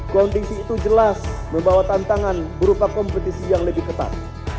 kondisi itu jelas membawa tantangan berupa kompetisi yang lebih ketat